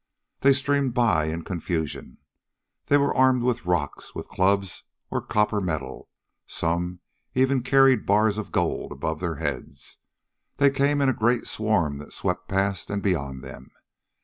They streamed by in confusion. They were armed with rocks, with clubs or copper metal some even carried bars of gold above their heads. They came in a great swarm that swept past and beyond them.